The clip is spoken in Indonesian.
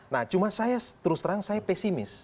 nah cuma saya terus terang saya pesimis